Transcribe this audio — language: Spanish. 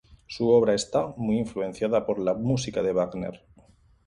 Su obra está muy influenciada por la música de Wagner.